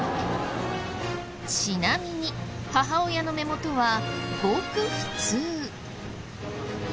ちなみに母親の目元はごく普通。